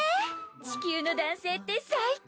地球の男性って最高！